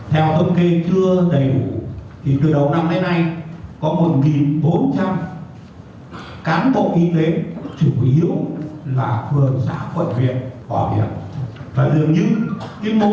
các bộ y tế chủ yếu là phường xã quận việt phòng việt